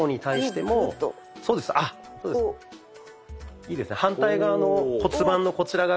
はいいいですね。